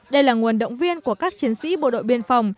đây là nguồn động viên của các chiến sĩ bộ đội biên phòng